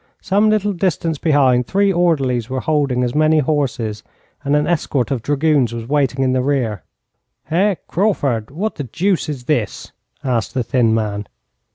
Some little distance behind, three orderlies were holding as many horses, and an escort of dragoons was waiting in the rear. 'Heh, Crauford, what the deuce is this?' asked the thin man.